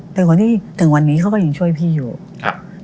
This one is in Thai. คนที่ถึงวันนี้เขาก็ยังช่วยพี่อยู่ครับ